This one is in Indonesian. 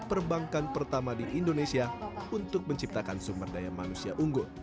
perbankan pertama di indonesia untuk menciptakan sumber daya manusia unggul